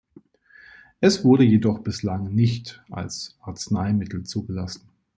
Es wurde jedoch bislang nicht als Arzneimittel zugelassen.